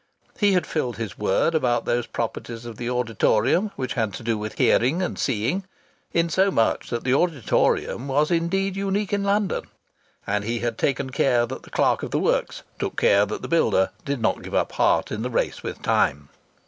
He had fulfilled his word about those properties of the auditorium which had to do with hearing and seeing in so much that the auditorium was indeed unique in London. And he had taken care that the Clerk of the Works took care that the builder did not give up heart in the race with time.